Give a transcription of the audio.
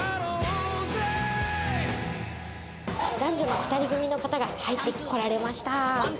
男女の２人組の方が入ってこられました。